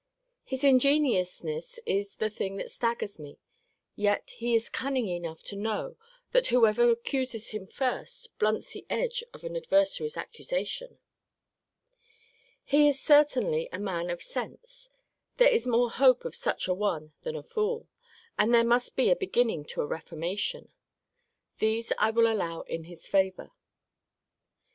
His ingenuousness is the thing that staggers me: yet is he cunning enough to know, that whoever accuses him first, blunts the edge of an adversary's accusation. He is certainly a man of sense: there is more hope of such a one than a fool: and there must be a beginning to a reformation. These I will allow in his favour.